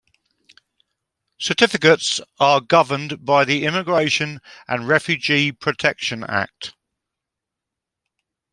Certificates are governed by the "Immigration and Refugee Protection Act".